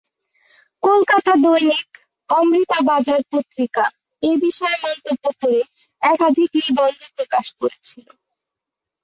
কলকাতা দৈনিক "অমৃতা বাজার পত্রিকা" এই বিষয়ে মন্তব্য করে একাধিক নিবন্ধ প্রকাশ করেছিল।